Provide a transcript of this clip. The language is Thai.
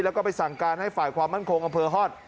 แล้วก็ไปสั่งการให้ฝ่ายความมั่นคงอำเภอฮอต